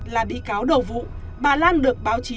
là bị cáo đầu vụ bà lan được báo chí